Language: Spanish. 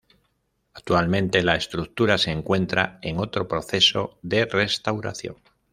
Actualmente la estructura se encuentra en otro proceso de restauración.